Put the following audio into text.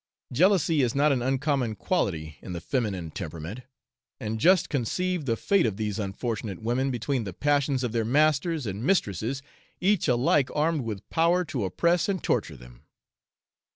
Jealousy is not an uncommon quality in the feminine temperament; and just conceive the fate of these unfortunate women between the passions of their masters and mistresses, each alike armed with power to oppress and torture them.